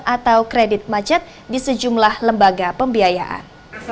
atau kredit macet di sejumlah lembaga pembiayaan